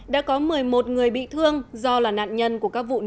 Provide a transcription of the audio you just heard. đã có một mươi một người bị thương do là nạn nhân của các vũ trang